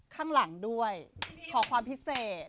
ข้างหลังด้วยขอความพิเศษ